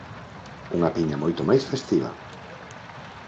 Unha piña moito máis festiva.